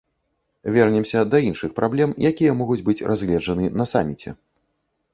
Вернемся да іншых праблем, якія могуць быць разгледжаны на саміце.